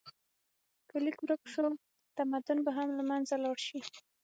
که لیک ورک شو، تمدن به هم له منځه لاړ شي.